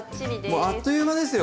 もうあっという間ですよ！